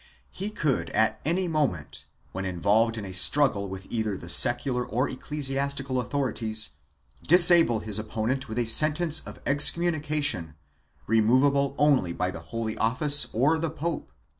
He could, at any moment, when involved in a struggle with either the secular or ecclesiastical authorities, disable his opponent with a sentence of excom munication removable only by the Holy Office or the pope